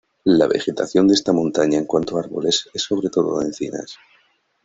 La vegetación de esta montaña en cuanto a árboles es sobre todo de encinas.